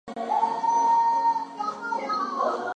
Jones has held several consulting roles.